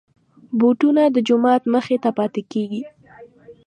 بوټونه د جومات مخې ته پاتې کېږي.